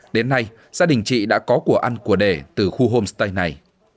đến nay gia đình chị đã có quả ăn quả đề từ khu homestay này